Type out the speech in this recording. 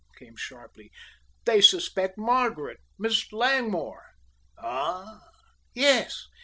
came sharply. "They suspect Margaret Miss Langmore." "Ah!" "Yes.